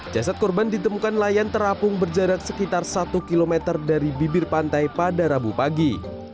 jasad korban ditemukan layan terapung berjarak sekitar satu km dari bibir pantai pada rabu pagi